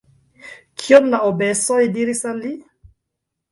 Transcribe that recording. Kion la Obesoj diris al li?